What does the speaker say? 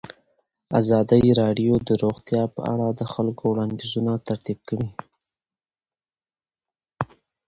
ازادي راډیو د روغتیا په اړه د خلکو وړاندیزونه ترتیب کړي.